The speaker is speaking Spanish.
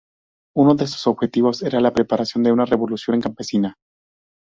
Uno de sus objetivos era la preparación de una revolución campesina.